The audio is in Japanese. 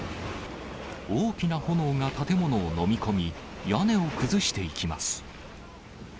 大きな炎が建物を飲み込み、屋根を崩していきます。